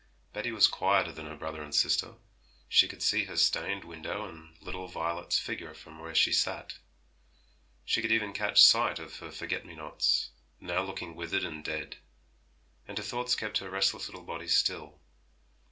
Betty was quieter than her brother and sister; she could see her stained window and little Violet's figure from where she sat; she could even catch sight of her forget me nots now looking withered and dead; and her thoughts kept her restless little body still.